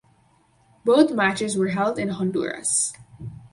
Both matches were held in Honduras.